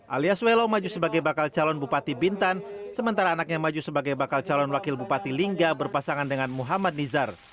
alias welo maju sebagai bakal calon bupati bintan sementara anaknya maju sebagai bakal calon wakil bupati lingga berpasangan dengan muhammad nizar